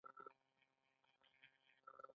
هغه غلط راوخېژي نو ته به څه وکې.